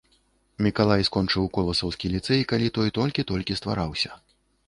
Мікалай скончыў коласаўскі ліцэй, калі той толькі-толькі ствараўся.